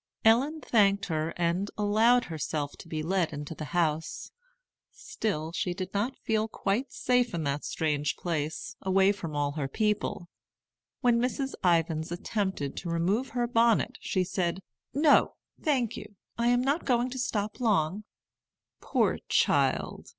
Ellen thanked her, and allowed herself to be led into the house. Still she did not feel quite safe in that strange place, away from all her people. When Mrs. Ivens attempted to remove her bonnet, she said, "No, I thank you. I am not going to stop long." "Poor child!"